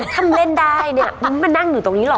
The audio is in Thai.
ถ้ามันเล่นได้เนี่ยไม่มานั่งอยู่ตรงนี้หรอก